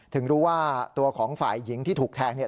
ถึงรู้ว่าตัวของฝ่ายหญิงที่ถูกแทง